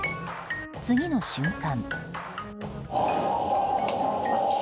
次の瞬間。